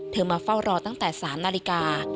เธอมาเฝ้ารอตั้งแต่สามนาฬิกา